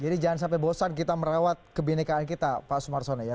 jadi jangan sampai bosan kita merawat kebenekaan kita pak sumarsono ya